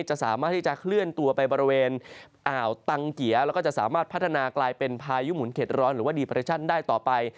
จะสามารถที่จะเคลื่อนตัวไปบริเวณอ่าวตังเกียร์แล้วก็จะสามารถพัฒนากลายเป็นพายุหมุนเข็ดร้อนหรือว่าดีเปอร์เรชั่นได้ต่อไป